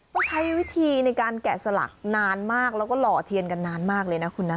ใช้วิธีในการแกะสลักนานมากแล้วก็หล่อเทียนกันนานมากเลยนะคุณนะ